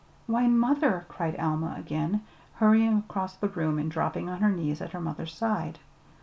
"Why, mother!" cried Alma again, hurrying across the room and dropping on her knees at her mother's side.